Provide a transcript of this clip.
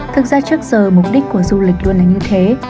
thực ra trước giờ mục đích của du lịch luôn là như thế